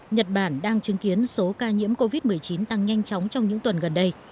nhật bản đang chứng kiến số ca nhiễm covid một mươi chín tăng nhanh chóng trong những tuần gần đây